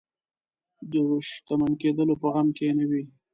د شتمن کېدلو په غم کې نه وي.